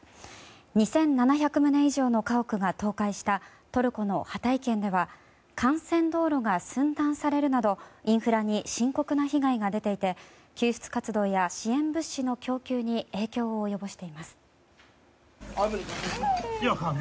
２７００棟以上の家屋が倒壊したトルコのハタイ県では幹線道路が寸断されるなどインフラに深刻な被害が出ていて救出活動や支援物資の供給に影響を及ぼしています。